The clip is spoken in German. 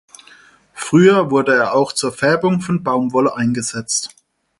Früher wurde er auch zur Färbung von Baumwolle eingesetzt.